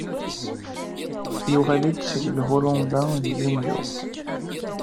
YuƔal-d seg Hulunda di yunyu.